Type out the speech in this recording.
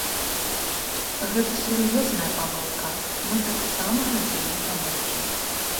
Гэта сур'ёзная памылка, мы таксама рабілі памылкі.